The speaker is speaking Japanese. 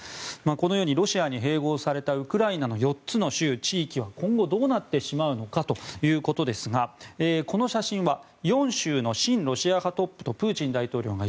このようにロシアに併合されたウクライナの４つの州、地域は今後どうなってしまうのかということですがこの写真は４州の親ロシア派トップとプーチン大統領が